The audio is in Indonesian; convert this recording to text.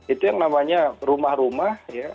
itu yang namanya rumah rumah